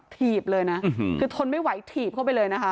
ถีบเลยนะคือทนไม่ไหวถีบเข้าไปเลยนะคะ